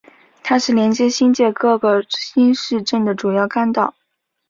它是连接新界各个新市镇的主干道。